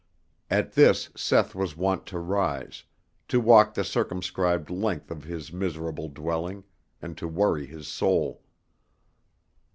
At this Seth was wont to rise, to walk the circumscribed length of his miserable dwelling and to worry his soul.